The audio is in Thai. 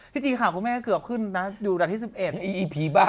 พี่จีค่ะพวกแม่ก็เกือบขึ้นนะดูรัตน์ที่๑๑